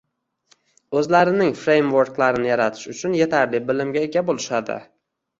O’zlarining farameworklarini yaratish uchun yetarli bilimga ega bo’lishadi